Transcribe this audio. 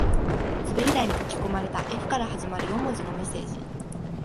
滑り台に書き込まれた Ｆ から始まる四文字のメッセージ